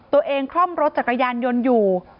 คล่อมรถจักรยานยนต์อยู่